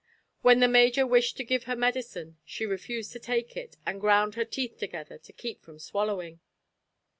When the major wished to give her medicine she refused to take it and ground her teeth together to keep from swallowing.